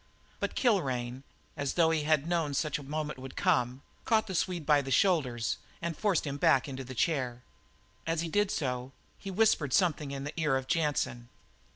But Kilrain, as though he had known such a moment would come, caught the Swede by the shoulders and forced him back into the chair. As he did so he whispered something in the ear of Jansen.